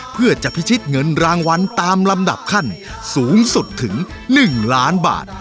เพื่อจะพิชิตเงินรางวัลตามลำดับขั้นสูงสุดถึง๑ล้านบาท